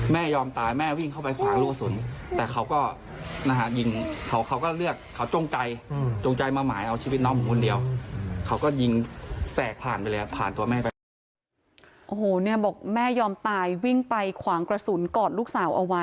แม่ยอมตายวิ่งไปขวางกระสุนเกาะลูกสาว